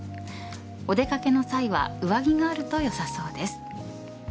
お出掛けの際は上着があると良さそうです。